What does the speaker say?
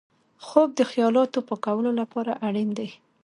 خوب د خیالاتو پاکولو لپاره اړین دی